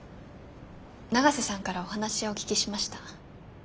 永瀬さんからお話はお聞きしました。